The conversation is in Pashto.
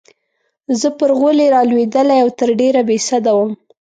زه پر غولي رالوېدلې او تر ډېره بې سده وم.